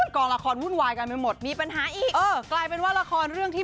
กองละครวุ่นวายกันไปหมดมีปัญหาอีกเออกลายเป็นว่าละครเรื่องที่